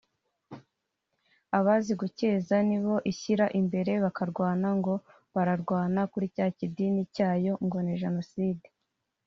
abazi gucyeza ni bo ishyira imbere bakarwana ngo bararwana kuri cya kidini cyayo ngo ni jenoside